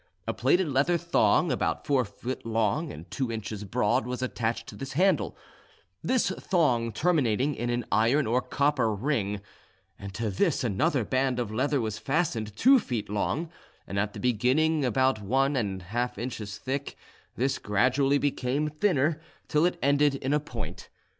A plaited leather thong, about four feet long and two inches broad, was attached to this handle, this thong terminating in an iron or copper ring, and to this another band of leather was fastened, two feet long, and at the beginning about one and a half inches thick: this gradually became thinner, till it ended in a point.